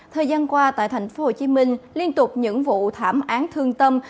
thời gian qua tại thành phố hồ chí minh liên tục những vụ thảm án thương tâm